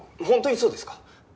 本当にそうですか？